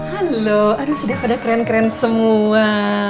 halo aduh aduh sudah pada keren keren semua